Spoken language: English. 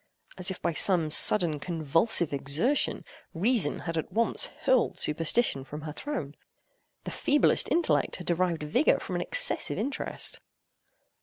As if by some sudden convulsive exertion, reason had at once hurled superstition from her throne. The feeblest intellect had derived vigor from excessive interest.